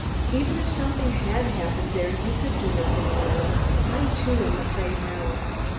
Even if something had happened there you could do nothing alone. I, too, am afraid now.